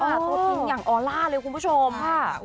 ตัวจริงอย่างออลล่าเลยคุณผู้ชมค่ะ